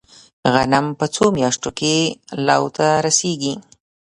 غنم په څو میاشتو کې لو ته رسیږي؟